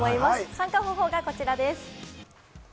参加方法がこちらです。